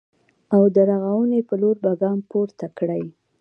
او د رغونې په لور به ګام پورته کړي